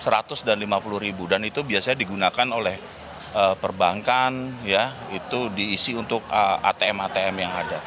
rp seratus dan lima puluh ribu dan itu biasanya digunakan oleh perbankan ya itu diisi untuk atm atm yang ada